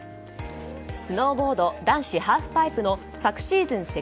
スノーボード男子ハーフパイプの昨シーズン